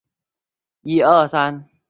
里昂泰克。